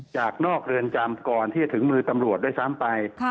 จากนอกเรือนจำก่อนที่จะถึงมือตำรวจด้วยซ้ำไป